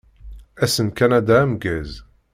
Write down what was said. Ass n Kanada ameggaz!